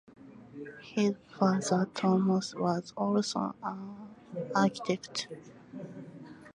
His father Tomaso was also an architect.